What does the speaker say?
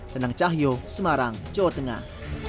renang cahyo semarang jawa tengah